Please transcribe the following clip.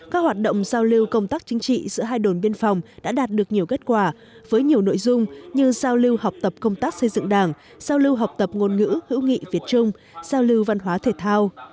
các hoạt động giao lưu công tác chính trị giữa hai đồn biên phòng đã đạt được nhiều kết quả với nhiều nội dung như giao lưu học tập công tác xây dựng đảng giao lưu học tập ngôn ngữ hữu nghị việt trung giao lưu văn hóa thể thao